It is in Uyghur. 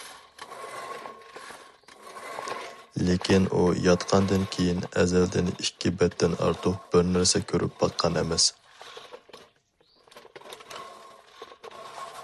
لېكىن ئۇ ياتقاندىن كېيىن ئەزەلدىن ئىككى بەتتىن ئارتۇق بىر نەرسە كۆرۈپ باققان ئەمەس.